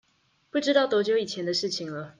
不知道多久以前的事情了